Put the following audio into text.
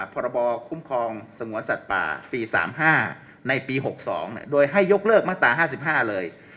พรบคุ้มครองสงวนสัตว์ป่าปี๓๕ในปี๖๒โดยให้ยกเลิกมาตรา๕๕เลย